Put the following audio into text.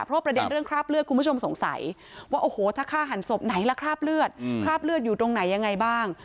เพราะประเด็นเรื่องคราบเลือดคุณผู้ชมสงสัยว่าโอ้โหถ้าฆ่าหันศพไหนล่ะคราบเลือดคราบเลือดอยู่ตรงไหนยังไงบ้าง